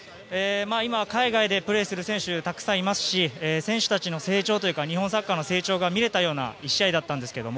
今は海外でプレーする選手もたくさんいますし選手たちの成長というか日本サッカーの成長が見れたような１試合だったんですけれども。